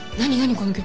この曲。